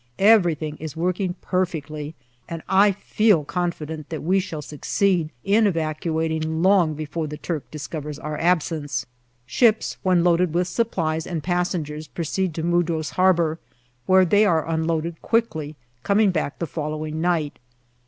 Every thing is working perfectly, and I feel confident that we shall succeed in evacuating long before the Turk discovers our absence. Ships, when loaded full with supplies and passen gers, proceed to Mudros Harbour, where they are unloaded quickly, coming back the following night.